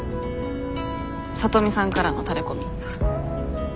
聡美さんからのタレコミ。